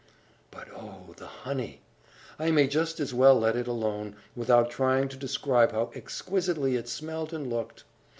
But, oh the honey! I may just as well let it alone, without trying to describe how exquisitely it smelt and looked.